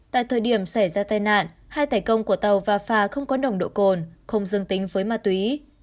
tại thời điểm xảy ra tai nạn hai tài công của tàu và phà không có nồng độ cồn không dừng tính với ma túy